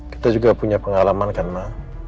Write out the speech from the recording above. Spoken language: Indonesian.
kita juga punya pengalaman kan ma